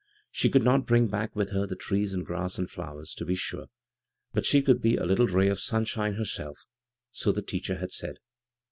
She could not bring back with her the trees and grass and flowers, to be sure ; but she could be a little ray of sun shine herself, so the teacher had said.